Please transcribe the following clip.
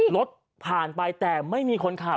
รถผ่านไปแต่ไม่มีคนขับ